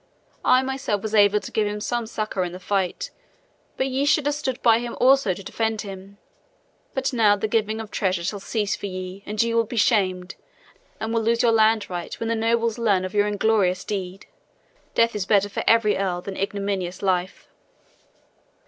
I myself was able to give him some succor in the fight, but ye should have stood by him also to defend him. But now the giving of treasure shall cease for ye and ye will be shamed and will lose your land right when the nobles learn of your inglorious deed. Death is better for every earl than ignominious life."